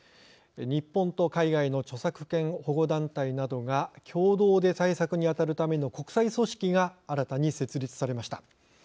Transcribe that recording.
日本と海外の著作権保護団体などが共同で対策にあたるための国際組織が新たに設立されました。